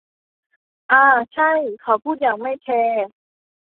อ่า ใช่ เขาพูดอย่างไม่แคร์